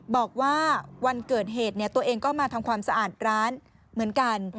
บอกว่าวันเกิดเหตุตัวเองก็มาทำความสะอาดร้านเหมือนกัน